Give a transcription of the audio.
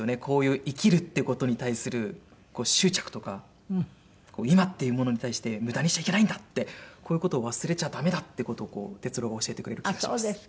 こういう「生きる」っていう事に対する執着とか「今」っていうものに対して無駄にしちゃいけないんだってこういう事を忘れちゃダメだっていう事を鉄郎が教えてくれる気がします。